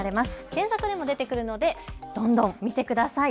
検索でも出てくるのでどんどん見てください。